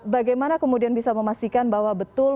bagaimana kemudian bisa memastikan bahwa betul